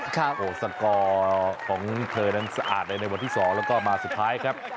โอ้โหสกอร์ของเธอนั้นสะอาดเลยในวันที่๒แล้วก็มาสุดท้ายครับ